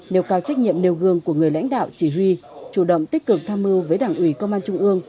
nêu cao trách nhiệm nêu gương của người lãnh đạo chỉ huy chủ động tích cực tham mưu với đảng ủy công an trung ương